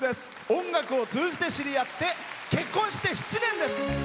音楽を通じて知り合って結婚して７年です。